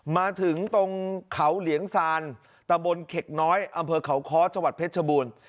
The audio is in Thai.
มาถึงตรงเขาเหลียงซานตำบลเข็กน้อยอำเภอเขาค้อจังหวัดเพชรชบูรณ์